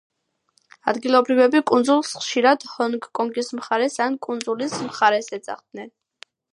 ადგილობრივები კუნძულს ხშირად „ჰონგ-კონგის მხარეს“ ან „კუნძულის მხარეს“ ეძახდნენ.